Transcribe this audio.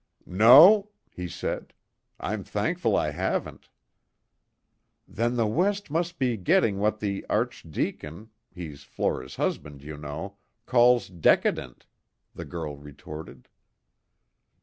"No," he said. "I'm thankful I haven't." "Then the West must be getting what the Archdeacon he's Flora's husband, you know calls decadent," the girl retorted.